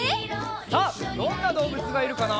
さあどんなどうぶつがいるかな？